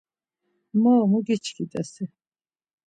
Moro mu giçkit̆es!?